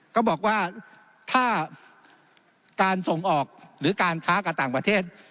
ก็บอกว่าถ้าการส่งออกหรือการค้ากับต่างประเทศ